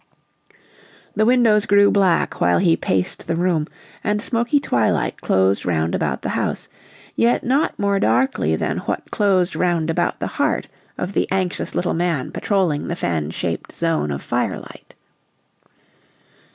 The windows grew black while he paced the room, and smoky twilight closed round about the house, yet not more darkly than what closed round about the heart of the anxious little man patrolling the fan shaped zone of firelight.